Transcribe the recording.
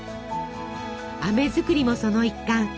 あめ作りもその一環。